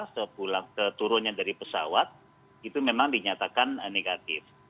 setelah keturunan dari pesawat itu memang dinyatakan negatif